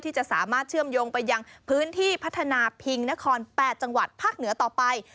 จะสามารถเชื่อมโยงไปยังพื้นที่พัฒนาพิงนคร๘จังหวัดภาคเหนือต่อไป